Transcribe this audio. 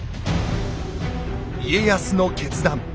家康の決断。